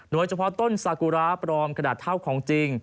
โดยเฉพาะต้นสากุระปลอมขนาดเท่าของจริง